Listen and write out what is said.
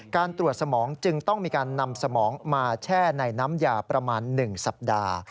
การตรวจสมองจึงต้องมีการนำสมองมาแช่ในน้ำยาประมาณ๑สัปดาห์